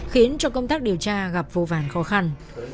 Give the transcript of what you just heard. khiến cho công tác điều tra gặp vô vàn khó khăn